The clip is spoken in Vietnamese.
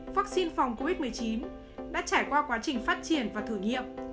vaccine phòng covid một mươi chín đã trải qua quá trình phát triển và thử nghiệm